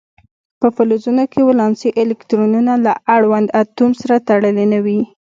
په فلزونو کې ولانسي الکترونونه له اړوند اتوم سره تړلي نه وي.